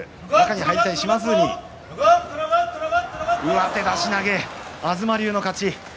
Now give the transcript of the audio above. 上手出し投げ、東龍の勝ち。